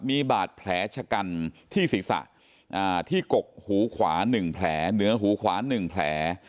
มีบาดแผลชะกันที่ศีรษะที่กกหูขวา๑แผลเหนือหูขวา๑แผล